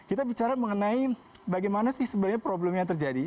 kita bicara mengenai bagaimana sih sebenarnya problemnya terjadi